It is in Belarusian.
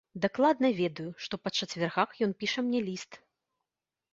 Дакладна ведаю, што па чацвяргах ён піша мне ліст.